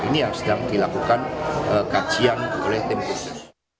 ini yang sedang dilakukan kajian oleh tim khusus